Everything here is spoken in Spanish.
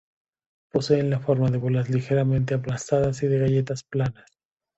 Poseen la forma de bolas ligeramente aplastadas o de galletas planas.